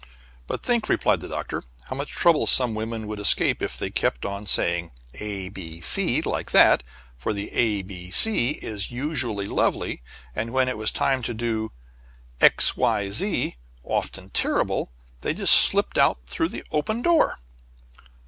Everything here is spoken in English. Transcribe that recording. "But think," replied the Doctor, "how much trouble some women would escape if they kept on saying A B C like that for the A B C is usually lovely and when it was time to X Y Z often terrible, they just slipped out through the 'open door.'"